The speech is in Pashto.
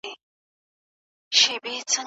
علما اوس هم د خلکو لارښوونه کوي.